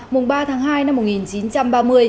mùng ba tháng hai năm một nghìn chín trăm ba mươi